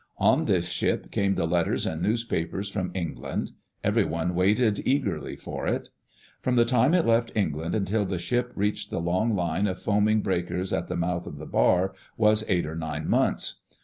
On this ship came the letters and newspapers from England. Everyone waited eagerly for it. From the time it left England until the ship reached the long line of foaming breakers at the mouth of the bar, was eight or nine months.